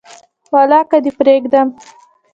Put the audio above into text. ولاکه دي پریږدم